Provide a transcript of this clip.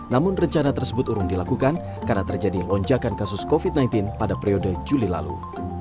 namun rencana tersebut urung dilakukan karena terjadi lonjakan kasus covid sembilan belas pada periode juli lalu